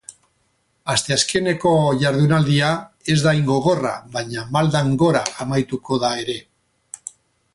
Asteazkeneko jardunaldia ez da hain gogorra, baina maldan gora amaituko da ere.